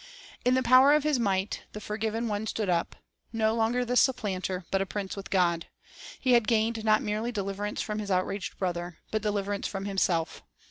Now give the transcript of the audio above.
2 Loss In the power of His might the forgiven one stood up, no longer the supplanter, but a prince with God. He had gained not merely deliverance from his outraged brother, but deliverance from himself.